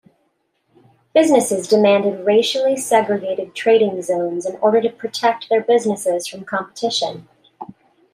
Businesses demanded racially segregated trading zones in order to protect their businesses from competition.